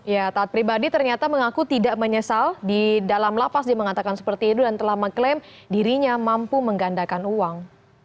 ya taat pribadi ternyata mengaku tidak menyesal di dalam lapas dia mengatakan seperti itu dan telah mengklaim dirinya mampu menggandakan uang